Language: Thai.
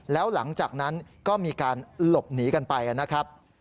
แล้วหลังจากนั้นก็มีการหลบหนีกันไปนะครับ